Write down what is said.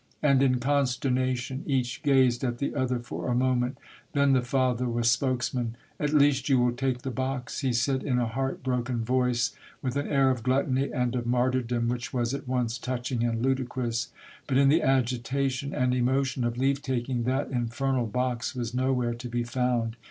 And in consternation each gazed at the other for a moment. Then the father was spokesman. '' At least you will take the box," he said in a heart broken voice, with an air of gluttony and of martyrdom which was at once touching and ludi crous. But in the agitation and emotion of leave taking, that infernal box was nowhere to be found